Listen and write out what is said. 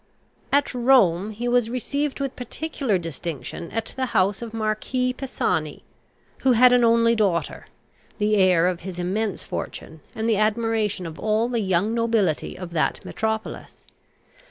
At Rome he was received with particular distinction at the house of marquis Pisani, who had an only daughter, the heir of his immense fortune, and the admiration of all the young nobility of that metropolis.